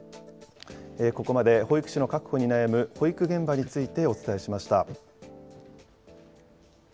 ここまで保育士の確保に悩む保育現場についてお伝えしました。